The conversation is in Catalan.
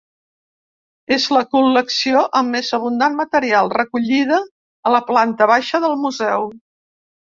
És la col·lecció amb més abundant material, recollida a la planta baixa del museu.